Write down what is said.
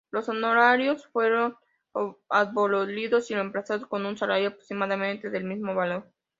Los honorarios fueron abolidos y reemplazados con un salario aproximadamente del mismo valor.